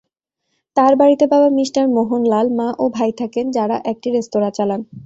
তার বাড়িতে বাবা মিঃ মোহনলাল, মা ও ভাই থাকেন যারা একটি রেস্তোরা চালান।